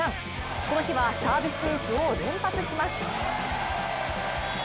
この日はサービスエースを連発します。